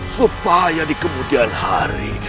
supaya di kemudian hari